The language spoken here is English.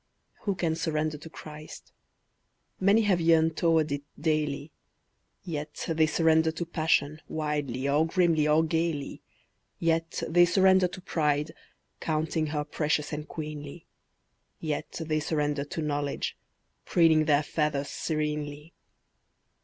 Who can surrender to Christ? Many have yearned toward it daily. Yet they surrender to passion, wildly or grimly or gaily; Yet they surrender to pride, counting her precious and queenly; Yet they surrender to knowledge, preening their feathers serenely.